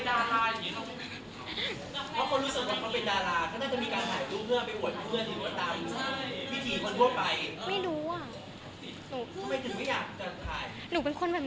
หลังไหนคะก็การควบกันรับน์รับเนาะ